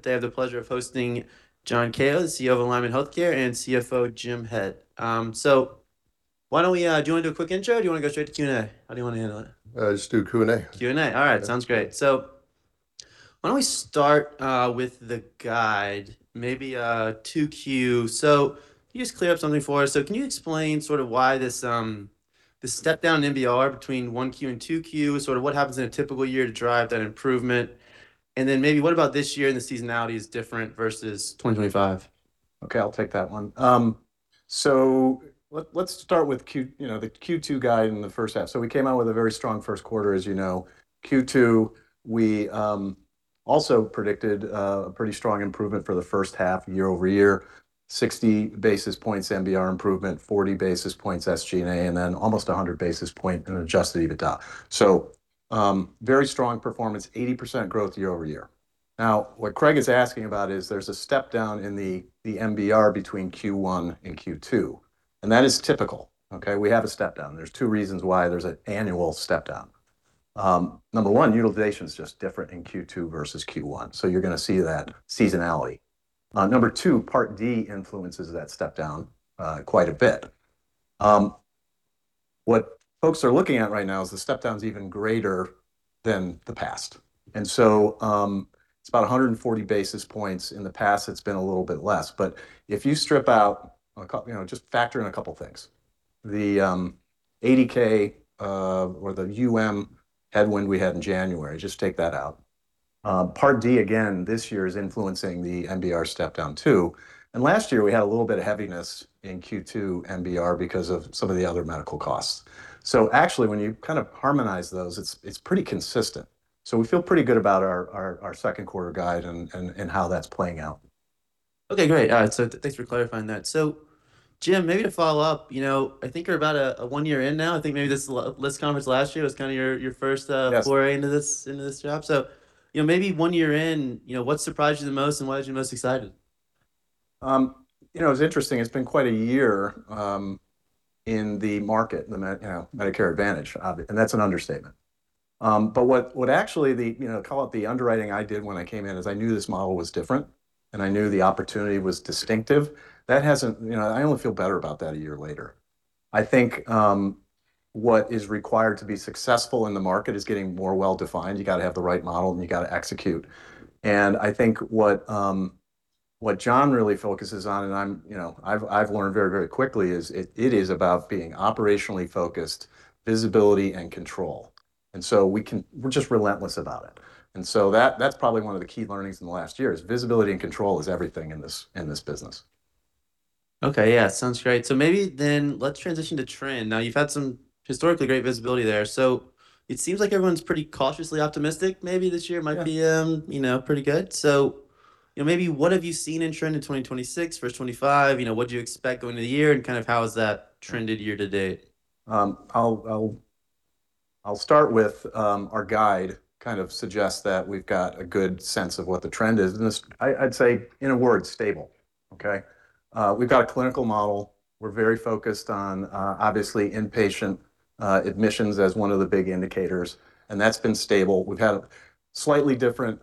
Today I have the pleasure of hosting John Kao, CEO of Alignment Healthcare, and CFO Jim Head. Why don't we, do you want to do a quick intro or do you want to go straight to Q&A? How do you want to handle it? Let's do Q&A. Q&A. All right. Yeah. Sounds great. Why don't we start with the guide, maybe 2Q. Can you just clear up something for us? Can you explain sort of why this step down in MBR between 1Q and 2Q, sort of what happens in a typical year to drive that improvement, and then maybe what about this year, and the seasonality is different versus 2025? Okay, I'll take that one. Let's start with Q, you know, the Q2 guide in the first half. We came out with a very strong first quarter, as you know. Q2, we also predicted a pretty strong improvement for the first half year-over-year, 60 basis points MBR improvement, 40 basis points SG&A, and then almost 100 basis point in adjusted EBITDA. Very strong performance, 80% growth year-over-year. Now, what Craig is asking about is there's a step down in the MBR between Q1 and Q2, and that is typical. Okay. We have a step down. There's two reasons why there's an annual step down. Number 1, utilization's just different in Q2 versus Q1, so you're gonna see that seasonality. Number 2, Part D influences that step down quite a bit. What folks are looking at right now is the step down is even greater than the past, it's about 140 basis points. In the past, it's been a little bit less. If you strip out you know, just factor in a couple things, the APK or the UM headwind we had in January, just take that out. Part D again this year is influencing the MBR step down, too, and last year we had a little bit of heaviness in Q2 MBR because of some of the other medical costs. Actually, when you kind of harmonize those, it's pretty consistent. We feel pretty good about our second quarter guide and how that's playing out. Okay. Great. Thanks for clarifying that. Jim, maybe to follow up, you know, I think we're about a one year in now. I think maybe this conference last year was kind of your first- Yes Foray into this job. You know, maybe one year in, you know, what surprised you the most and what has you most excited? You know, it's interesting. It's been quite a year in the market, Medicare Advantage, obviously, and that's an understatement. What actually the, you know, call it the underwriting I did when I came in, is I knew this model was different, and I knew the opportunity was distinctive. That hasn't, you know, I only feel better about that a year later. I think what is required to be successful in the market is getting more well defined. You got to have the right model, and you got to execute. I think what John really focuses on, and I've learned very, very quickly, is it is about being operationally focused, visibility, and control, we're just relentless about it. That's probably one of the key learnings in the last year is visibility and control is everything in this business. Okay. Yeah, sounds great. Maybe then let's transition to trend. You've had some historically great visibility there, so it seems like everyone's pretty cautiously optimistic maybe this year. Yeah. Might be, you know, pretty good. You know, maybe what have you seen in trend in 2026 versus 2025? You know, what do you expect going into the year, and kind of how has that trended year to date? I'll start with our guide kind of suggests that we've got a good sense of what the trend is, and this, I'd say in a word, stable. Okay? We've got a clinical model. We're very focused on obviously inpatient admissions as one of the big indicators, and that's been stable. We've had a slightly different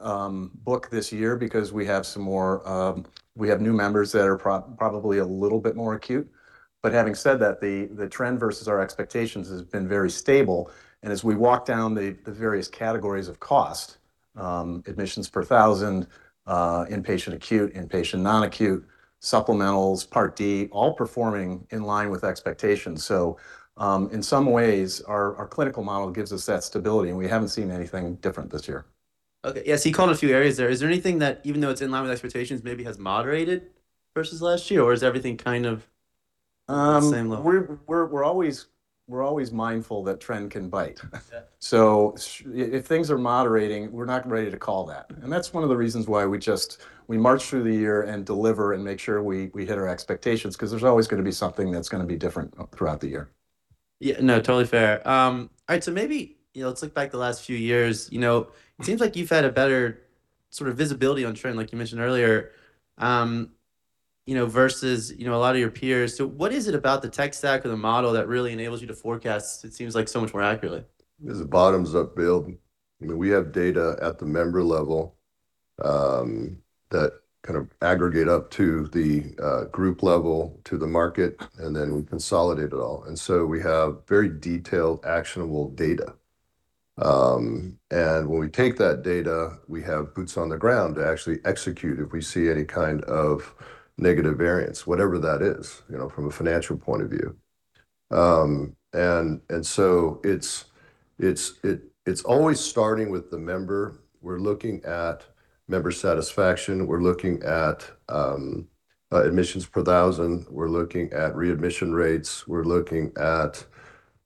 book this year because we have some more new members that are probably a little bit more acute, but having said that, the trend versus our expectations has been very stable. As we walk down the various categories of cost, admissions per thousand, inpatient acute, inpatient non-acute, supplementals, Part D, all performing in line with expectations. In some ways our clinical model gives us that stability, and we haven't seen anything different this year. Okay. Yeah, you called a few areas there. Is there anything that, even though it's in line with expectations, maybe has moderated versus last year, or is everything kind of at the same level? We're always mindful that trend can bite. Yeah. If things are moderating, we're not ready to call that, and that's one of the reasons why we just march through the year and deliver and make sure we hit our expectations, 'cause there's always gonna be something that's gonna be different throughout the year. Yeah. No, totally fair. All right, so maybe, you know, let's look back the last few years. You know, it seems like you've had a better sort of visibility on trend, like you mentioned earlier, you know, versus, you know, a lot of your peers. What is it about the tech stack or the model that really enables you to forecast it seems like so much more accurately? It's a bottoms-up build. I mean, we have data at the member level, that kind of aggregate up to the group level, to the market, and then we consolidate it all. We have very detailed, actionable data. When we take that data, we have boots on the ground to actually execute if we see any kind of negative variance, whatever that is, you know, from a financial point of view. It's always starting with the member. We're looking at member satisfaction. We're looking at admissions per thousand. We're looking at readmission rates. We're looking at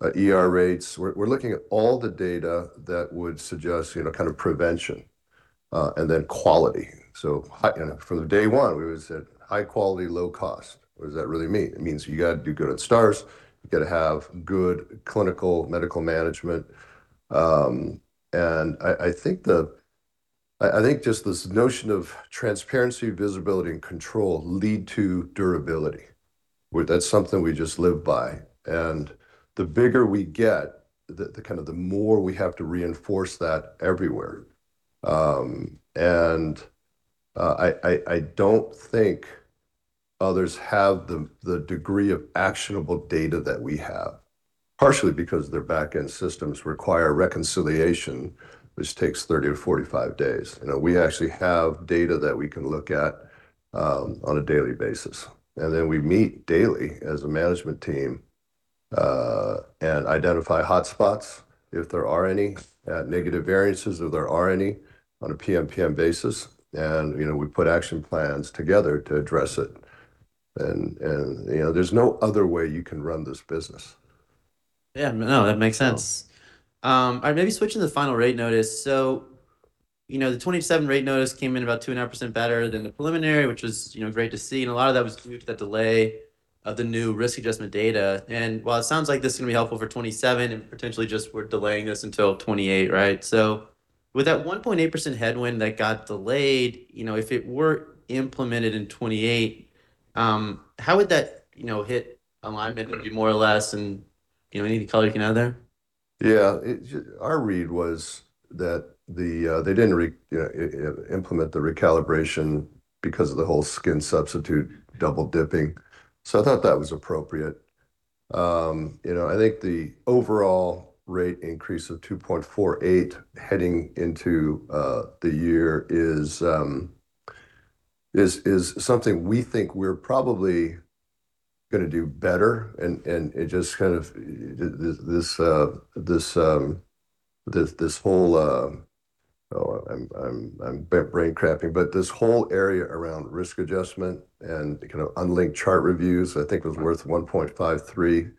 ER rates. We're looking at all the data that would suggest, you know, kind of prevention, and then quality. High, you know, from day 1, we always said, "High quality, low cost." What does that really mean? It means you got to do good at stars. You got to have good clinical medical management. I think just this notion of transparency, visibility, and control lead to durability. That's something we just live by, and the bigger we get, the kind of the more we have to reinforce that everywhere. I don't think others have the degree of actionable data that we have, partially because their back-end systems require reconciliation, which takes 30-45 days. You know, we actually have data that we can look at, on a daily basis, and then we meet daily as a management team, and identify hotspots if there are any, negative variances if there are any, on a PMPM basis, and, you know, we put action plans together to address it. You know, there's no other way you can run this business. Yeah, no, that makes sense. All right, maybe switching to the final rate notice. You know, the 2027 rate notice came in about 2.5% better than the preliminary, which was, you know, great to see, and a lot of that was due to that delay of the new risk adjustment data. While it sounds like this is going to be helpful for 2027, and potentially just we're delaying this until 2028, right? With that 1.8% headwind that got delayed, you know, if it were implemented in 2028, how would that, you know, hit Alignment? Would it be more or less? You know, any color you can add there? Yeah, it our read was that the they didn't implement the recalibration because of the whole skin substitute double-dipping, so I thought that was appropriate. You know, I think the overall rate increase of 2.48 heading into the year is something we think we're probably gonna do better, and it just kind of, this whole area around risk adjustment and kind of unlinked chart reviews, I think, was worth 1.53.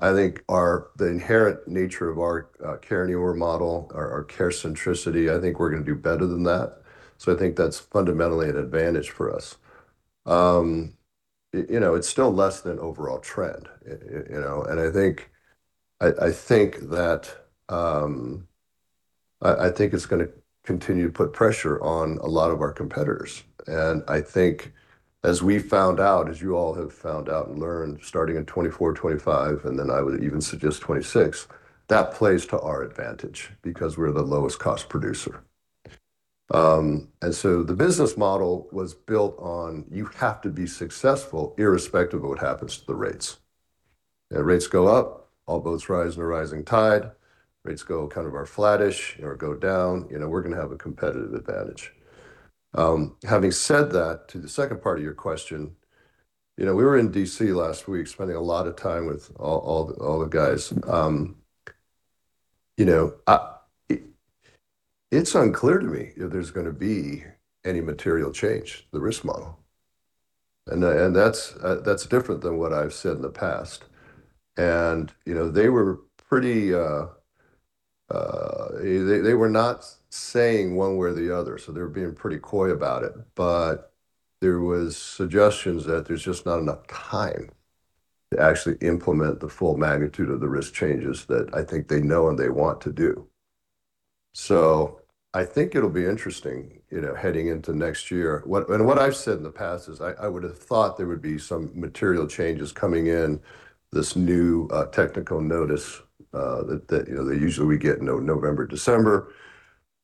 I think our, the inherent nature of our care delivery model, our care centricity, I think we're gonna do better than that, so I think that's fundamentally an advantage for us. It's still less than overall trend, it, you know, I think that, I think it's gonna continue to put pressure on a lot of our competitors. I think as we found out, as you all have found out and learned starting in 2024, 2025, and then I would even suggest 2026, that plays to our advantage because we're the lowest cost producer. The business model was built on, you have to be successful irrespective of what happens to the rates. The rates go up, all boats rise in a rising tide. Rates go kind of are flattish or go down, you know, we're gonna have a competitive advantage. Having said that, to the second part of your question, you know, we were in D.C. last week spending a lot of time with all the guys. You know, it's unclear to me if there's gonna be any material change to the risk model, and that's different than what I've said in the past. You know, they were pretty, they were not saying one way or the other, so they were being pretty coy about it. There was suggestions that there's just not enough time to actually implement the full magnitude of the risk changes that I think they know and they want to do. I think it'll be interesting, you know, heading into next year. What I've said in the past is I would have thought there would be some material changes coming in this new technical notice that, you know, that usually we get November, December.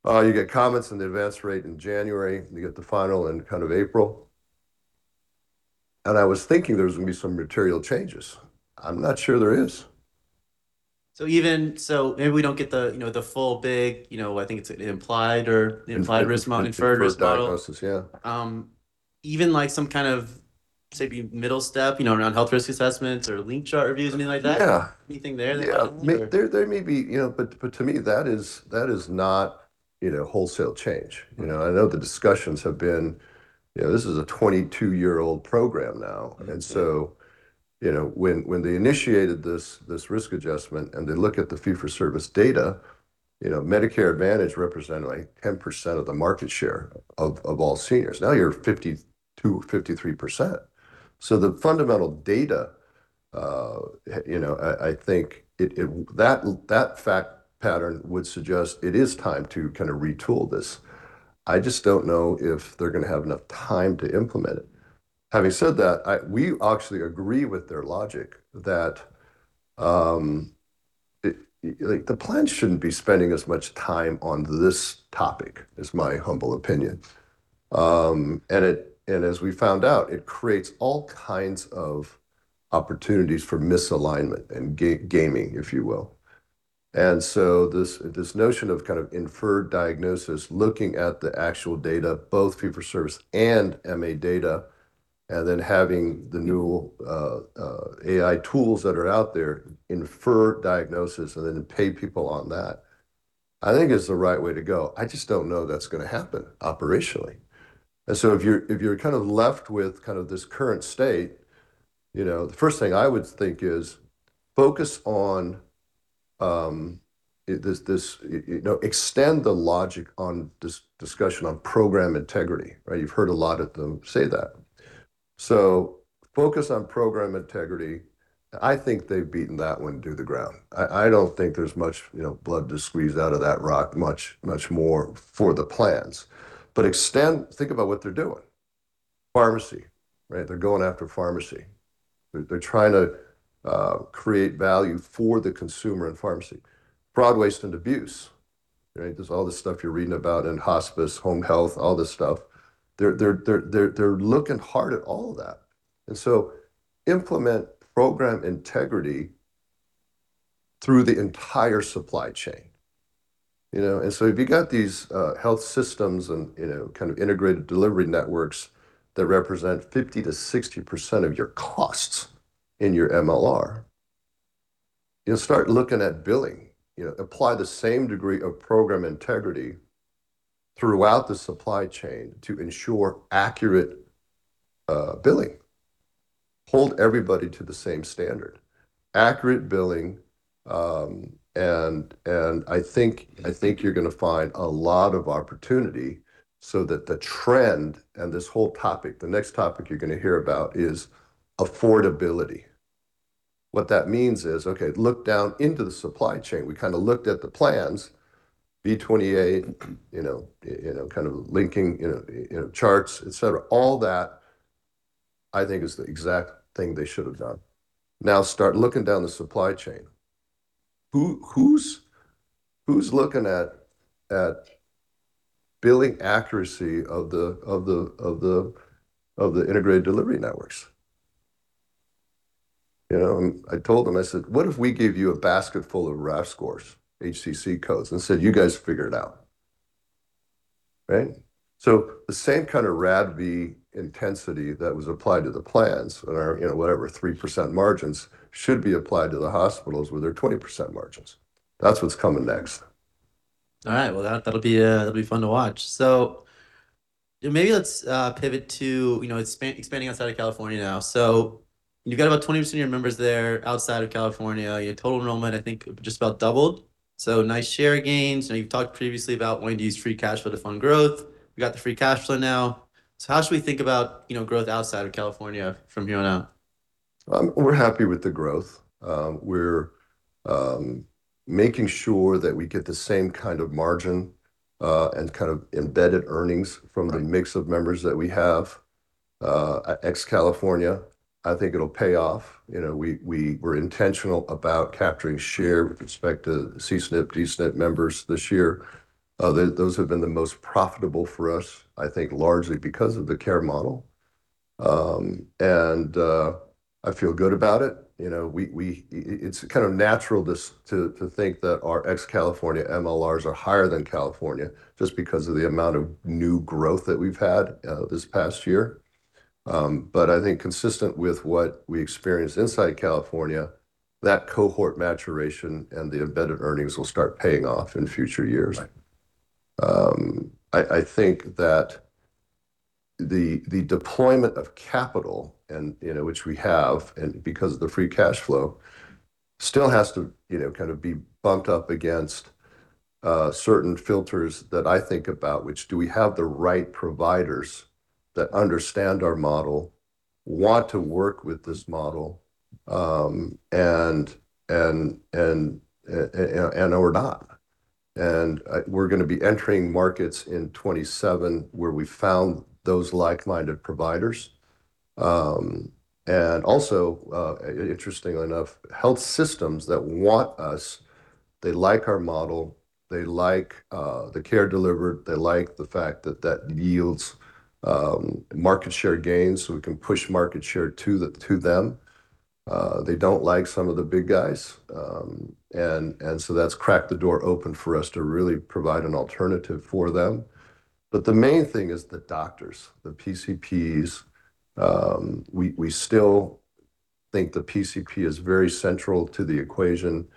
You get comments on the advanced rate in January, and you get the final in kind of April, and I was thinking there was going to be some material changes. I'm not sure there is. Even, so maybe we don't get the, you know, the full big, you know, I think it's inferred risk model. Implied, inferred diagnosis, yeah. Even like some kind of, say, middle step, you know, around health risk assessments or link chart reviews, anything like that. Yeah. Anything there that? Yeah. Or? May, there may be, you know, to me that is not, you know, wholesale change, you know? I know the discussions have been, you know, this is a 22-year-old program now. You know, when they initiated this risk adjustment and they look at the fee-for-service data, you know, Medicare Advantage represented like 10% of the market share of all seniors. Now you're 52%, 53%. The fundamental data, you know, I think it, that fact pattern would suggest it is time to kind of retool this. I just don't know if they're gonna have enough time to implement it. Having said that, we actually agree with their logic that, like, the plan shouldn't be spending as much time on this topic, is my humble opinion. As we found out, it creates all kinds of opportunities for misalignment and gaming, if you will. This, this notion of kind of inferred diagnosis, looking at the actual data, both fee for service and MA data, then having the new AI tools that are out there infer diagnosis and then pay people on that, I think is the right way to go. I just don't know that's gonna happen operationally. If you're, if you're kind of left with kind of this current state, you know, the first thing I would think is focus on this, you know, extend the logic on this discussion on program integrity, right? You've heard a lot of them say that. Focus on program integrity. I think they've beaten that one to the ground. I don't think there's much, you know, blood to squeeze out of that rock much more for the plans. Think about what they're doing. Pharmacy, right? They're going after pharmacy. They're trying to create value for the consumer in pharmacy. Fraud, waste, and abuse, right? There's all this stuff you're reading about in hospice, home health, all this stuff. They're looking hard at all that. Implement program integrity through the entire supply chain, you know? If you got these health systems and, you know, kind of integrated delivery networks that represent 50%-60% of your costs in your MLR, you'll start looking at billing. You know, apply the same degree of program integrity throughout the supply chain to ensure accurate billing. Hold everybody to the same standard. Accurate billing, and I think you're gonna find a lot of opportunity so that the trend and this whole topic, the next topic you're gonna hear about is affordability. What that means is, okay, look down into the supply chain. We kind of looked at the plans, V28, you know, kind of linking, charts, et cetera. All that I think is the exact thing they should have done. Start looking down the supply chain. Who's looking at billing accuracy of the integrated delivery networks? You know? I told them, I said, "What if we gave you a basket full of RAF scores, HCC codes, and said, 'You guys figure it out?'" Right? The same kind of RADV intensity that was applied to the plans or, you know, whatever, 3% margins, should be applied to the hospitals with their 20% margins. That's what's coming next. All right. Well, that'll be fun to watch. Maybe let's pivot to, you know, expanding outside of California now. You've got about 20% of your members there outside of California. Your total enrollment I think just about doubled, nice share gains. You've talked previously about wanting to use free cash flow to fund growth. We got the free cash flow now, how should we think about, you know, growth outside of California from here on out? We're happy with the growth. We're making sure that we get the same kind of margin and kind of embedded earnings from the mix of members that we have ex-California. I think it'll pay off. You know, we were intentional about capturing share with respect to C-SNP, D-SNP members this year. Those have been the most profitable for us, I think largely because of the care model. I feel good about it. You know, we it's kind of natural just to think that our ex-California MLRs are higher than California just because of the amount of new growth that we've had this past year. I think consistent with what we experienced inside California, that cohort maturation and the embedded earnings will start paying off in future years. Right. I think that the deployment of capital and, which we have and because of the free cash flow, still has to kind of be bumped up against certain filters that I think about, which do we have the right providers that understand our model, want to work with this model, and know or not? We're gonna be entering markets in 2027 where we found those like-minded providers. Also, interestingly enough, health systems that want us, they like our model, they like the care delivered, they like the fact that that yields market share gains, so we can push market share to them. They don't like some of the big guys. That's cracked the door open for us to really provide an alternative for them. The main thing is the doctors, the PCPs. We still think the PCP is very central to the equation,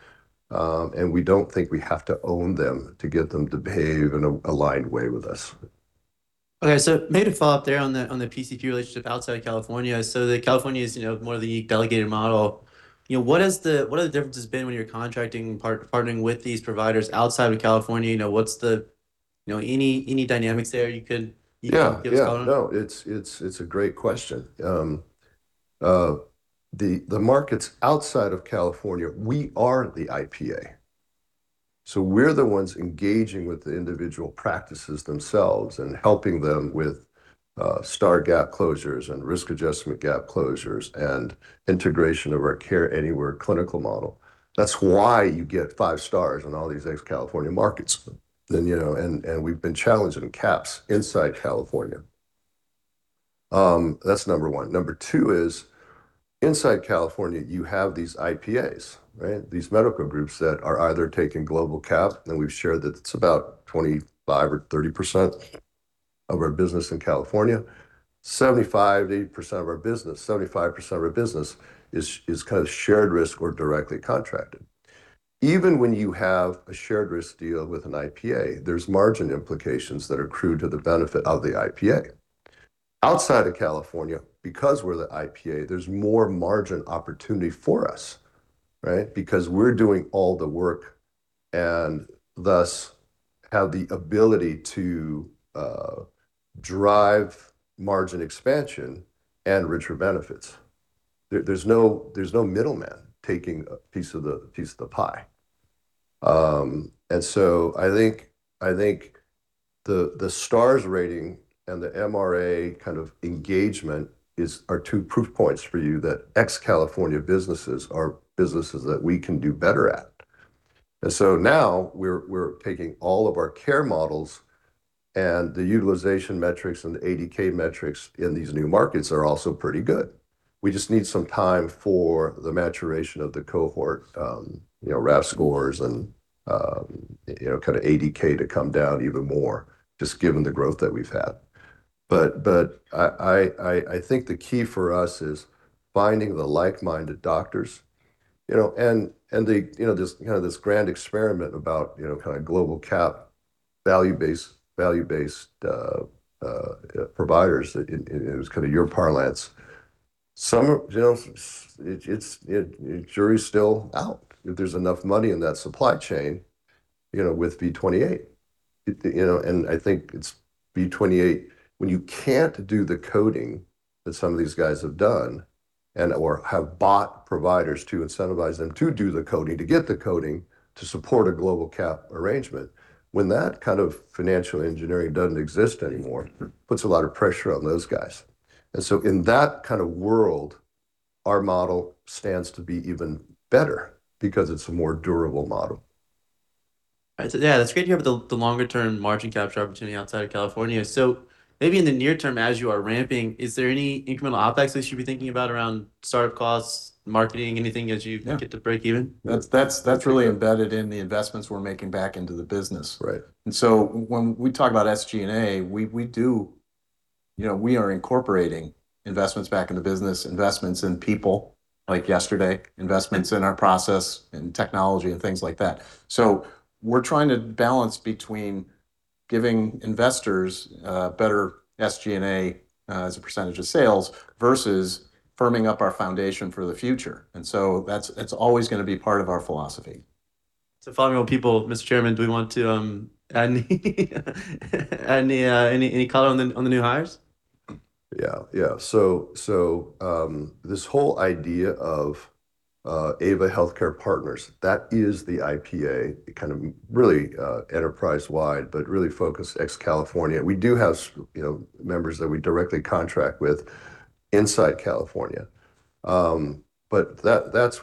and we don't think we have to own them to get them to behave and aligned way with us. Okay, maybe to follow up there on the, on the PCP relationship outside of California. The California is, you know, more of the delegated model. You know, what are the differences been when you're contracting, partnering with these providers outside of California? You know, what's the, you know, any dynamics there you could give us on them? Yeah. No, it's a great question. The markets outside of California, we are the IPA. We're the ones engaging with the individual practices themselves and helping them with Star gap closures and risk adjustment gap closures and integration of our Care Anywhere clinical model. That's why you get 5 Stars on all these ex-California markets. You know, and we've been challenged in CAHPS inside California. That's number 1. Number 2 is inside California, you have these IPAs, right? These medical groups that are either taking global cap, and we've shared that it's about 25% or 30% of our business in California. 75%-80% of our business, 75% of our business is kind of shared risk or directly contracted. Even when you have a shared risk deal with an IPA, there's margin implications that accrue to the benefit of the IPA. Outside of California, because we're the IPA, there's more margin opportunity for us. Right? We're doing all the work, and thus have the ability to drive margin expansion and richer benefits. There's no middleman taking a piece of the pie. I think the Star Ratings and the MRA kind of engagement are two proof points for you that ex-California businesses are businesses that we can do better at. Now we're taking all of our care models, and the utilization metrics and the ADK metrics in these new markets are also pretty good. We just need some time for the maturation of the cohort, you know, RAF scores and, you know, kind of ADK to come down even more, just given the growth that we've had. I think the key for us is finding the like-minded doctors, you know, and the, you know, this, you know, this grand experiment about, you know, kind of global cap value-based providers in, it was kind of your parlance. Some of, you know, it's, you know, jury's still out if there's enough money in that supply chain, you know, with V28. You know, I think it's V28, when you can't do the coding that some of these guys have done and, or have bought providers to incentivize them to do the coding, to get the coding to support a global cap arrangement, when that kind of financial engineering doesn't exist anymore, it puts a lot of pressure on those guys. In that kind of world, our model stands to be even better because it's a more durable model. Right. That's great to hear about the longer term margin capture opportunity outside of California. Maybe in the near term as you are ramping, is there any incremental OpEx I should be thinking about around startup costs, marketing, anything as you get to break even? That's really embedded in the investments we're making back into the business. Right. When we talk about SG&A, we do, you know, we are incorporating investments back in the business, investments in people, like yesterday, investments in our process, in technology, and things like that. We're trying to balance between giving investors better SG&A as a percentage of sales versus firming up our foundation for the future. It's always gonna be part of our philosophy. Following up on people, Mr. Chairman, do we want to, add any color on the new hires? Yeah. Yeah. This whole idea of AVA Health Partners, that is the IPA kind of really enterprise wide, but really focused ex-California. We do have, you know, members that we directly contract with inside California. That's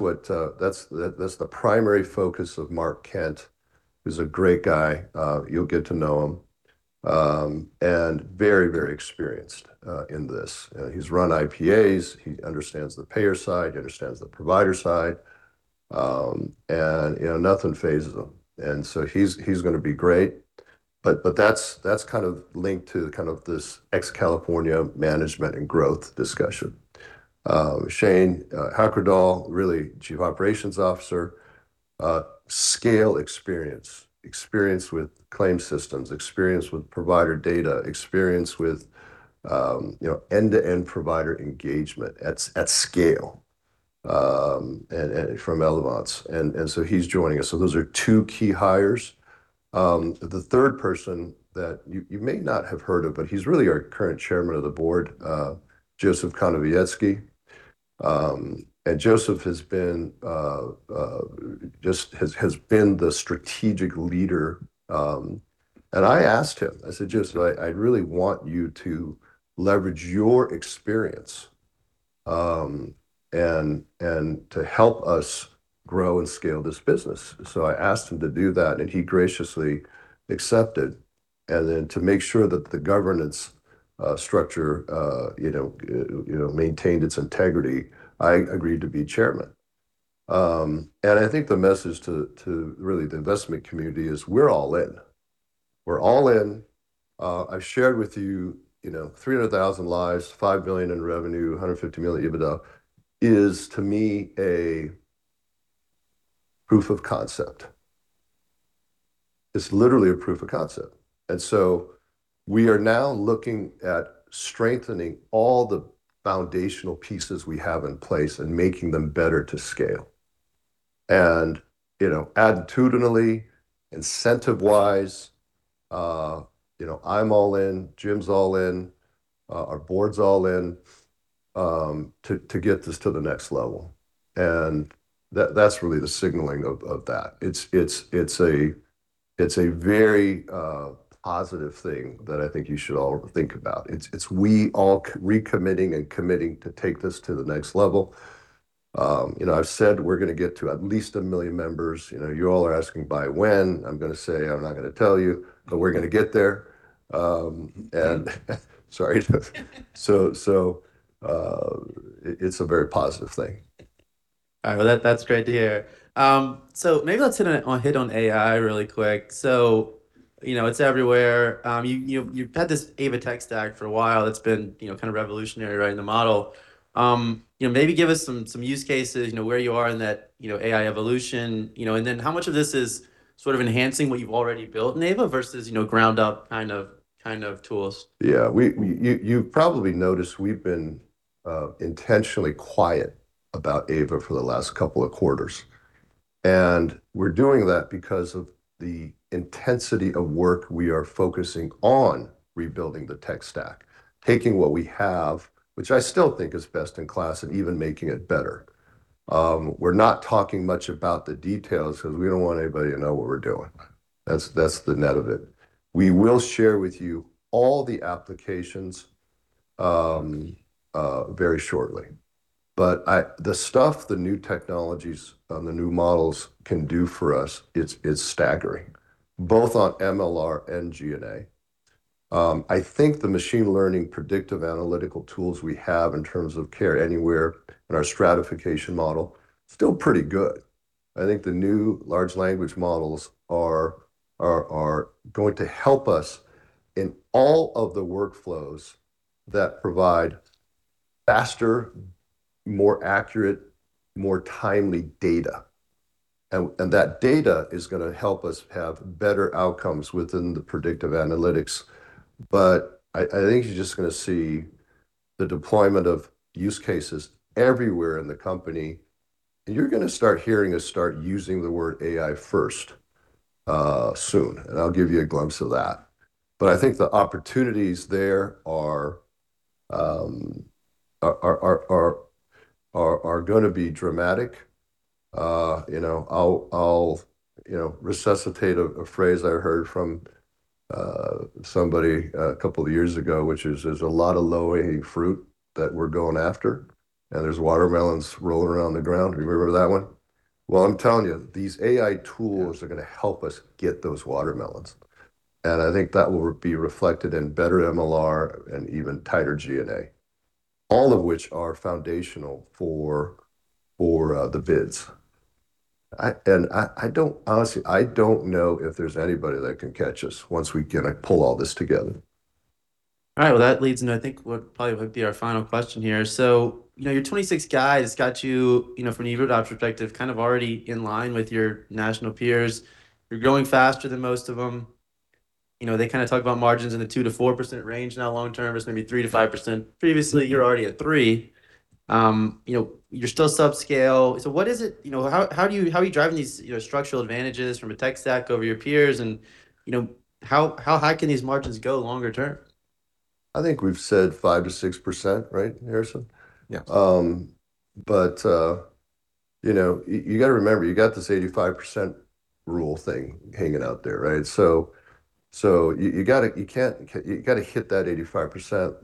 what, that's the primary focus of Mark Kent, who's a great guy, you'll get to know him. Very experienced in this. He's run IPAs. He understands the payer side, he understands the provider side. You know, nothing fazes him. He's gonna be great. That's kind of linked to kind of this ex-California management and growth discussion. Shane Hochradel, really Chief Operations Officer, scale experience with claim systems, experience with provider data, experience with, you know, end-to-end provider engagement at scale, from Elevance Health. He's joining us. Those are two key hires. The third person that you may not have heard of, but he's really our current chairman of the board, Joseph Konowiecki. Joseph has been just the strategic leader. I asked him, I said, "Joseph, I really want you to leverage your experience and to help us grow and scale this business." I asked him to do that, and he graciously accepted. To make sure that the governance structure maintained its integrity, I agreed to be chairman. I think the message to really the investment community is we're all in. We're all in. I've shared with you know, 300,000 lives, $5 million in revenue, $150 million EBITDA is to me a proof of concept. It's literally a proof of concept. We are now looking at strengthening all the foundational pieces we have in place and making them better to scale. You know, attitudinally, incentive-wise, you know, I'm all in, Jim's all in, our board's all in to get this to the next level, and that's really the signaling of that. It's a very positive thing that I think you should all think about. It's we all recommitting and committing to take this to the next level. You know, I've said we're gonna get to at least a million members. You know, you all are asking by when. I'm gonna say, I'm not gonna tell you, but we're gonna get there. Sorry. It's a very positive thing. All right. Well, that's great to hear. Maybe let's hit on AI really quick. You know, it's everywhere. You've had this AVA tech stack for a while. It's been, you know, kind of revolutionary, right, in the model. You know, maybe give us some use cases, you know, where you are in that, you know, AI evolution, you know. How much of this is sort of enhancing what you've already built in AVA versus, you know, ground up kind of tools? Yeah. We you've probably noticed we've been intentionally quiet about AVA for the last couple of quarters. We're doing that because of the intensity of work we are focusing on rebuilding the tech stack. Taking what we have, which I still think is best in class, and even making it better. We're not talking much about the details 'cause we don't want anybody to know what we're doing. That's the net of it. We will share with you all the applications very shortly. The stuff, the new technologies and the new models can do for us it's staggering, both on MLR and G&A. I think the machine learning predictive analytical tools we have in terms of Care Anywhere in our stratification model, still pretty good. I think the new large language models are going to help us in all of the workflows that provide faster, more accurate, more timely data. That data is going to help us have better outcomes within the predictive analytics. I think you're just going to see the deployment of use cases everywhere in the company, and you're going to start hearing us start using the word AI first soon. I'll give you a glimpse of that. I think the opportunities there are going to be dramatic. You know, I'll, you know, resuscitate a phrase I heard from somebody a couple years ago, which is there's a lot of low hanging fruit that we're going after, and there's watermelons rolling around on the ground. Remember that one? Well, I'm telling you, these AI tools are gonna help us get those watermelons, and I think that will be reflected in better MLR and even tighter GNA, all of which are foundational for the vids. I don't honestly, I don't know if there's anybody that can catch us once we get a pull all this together. All right. Well, that leads me, I think, what would probably be our final question here. You know, your 26 guys got you know, from the EBITDA perspective, kind of already in line with your national peers. You're growing faster than most of them. You know, they kind of talk about margins in the 2%-4% range now long-term, it's maybe 3%-5%. Previously, you're already at 3%. You know, you're still subscale. What is it, you know, how do you, how are you driving these, you know, structural advantages from a tech stack over your peers? You know, how high can these margins go longer term? I think we've said 5%-6%, right, Harrison? Yeah. You know, you gotta remember, you got this 85% rule thing hanging out there, right? You gotta hit that 85%.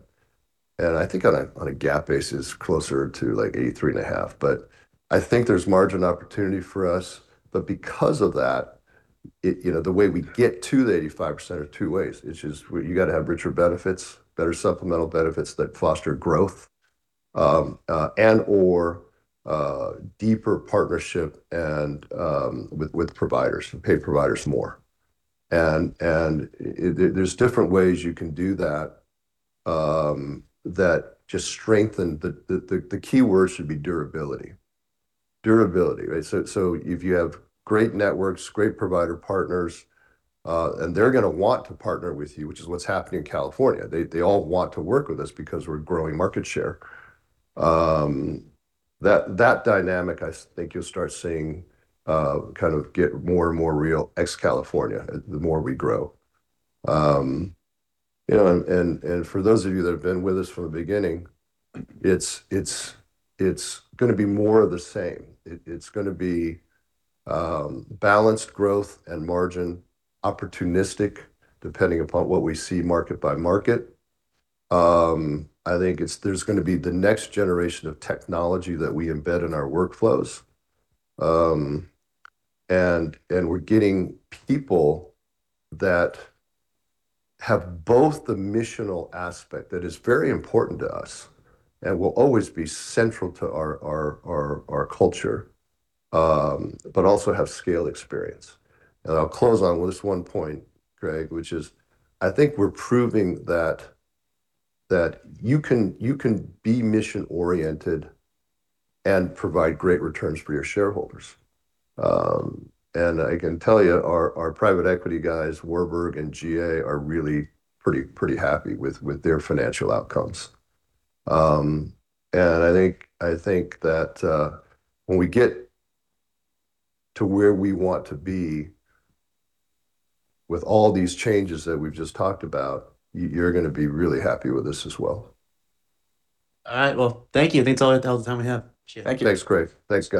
I think on a GAAP basis, closer to, like, 83 and a half. I think there's margin opportunity for us. Because of that, you know, the way we get to the 85% are two ways, which is you gotta have richer benefits, better supplemental benefits that foster growth, and/or deeper partnership with providers, pay providers more. There's different ways you can do that just strengthen. The key word should be durability. Durability, right? If you have great networks, great provider partners, and they're going to want to partner with you, which is what's happening in California. They all want to work with us because we're growing market share. That dynamic, I think you'll start seeing kind of get more and more real ex California the more we grow. You know, for those of you that have been with us from the beginning, it's going to be more of the same. It's going to be balanced growth and margin, opportunistic depending upon what we see market by market. I think there's going to be the next generation of technology that we embed in our workflows. And we're getting people that have both the missional aspect that is very important to us, and will always be central to our culture, but also have scale experience. I'll close on with this one point, Craig, which is I think we're proving that you can be mission-oriented and provide great returns for your shareholders. I can tell you our private equity guys, Warburg and GA, are really pretty happy with their financial outcomes. I think that when we get to where we want to be with all these changes that we've just talked about, you're gonna be really happy with this as well. All right. Well, thank you. I think that's all the time we have. Thank you. Thanks, Craig. Thanks, guys.